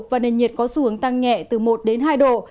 và nền nhiệt có xu hướng tăng nhẹ từ một đến hai độ